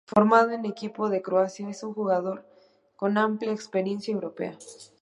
Formado en equipos de Croacia, es un jugador con amplia experiencia europea.